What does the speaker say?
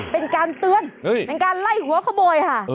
เป็นการเตือนเป็นการไล่หัวขโมยค่ะ